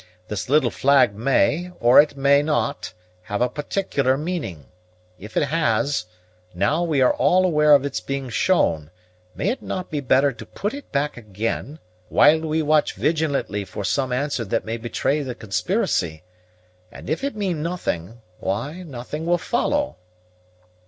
This little flag may, or it may not, have a particular meaning; if it has, now that we are aware of its being shown, may it not be better to put it back again, while we watch vigilantly for some answer that may betray the conspiracy; and if it mean nothing, why, nothing will follow."